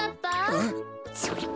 あっそれっ。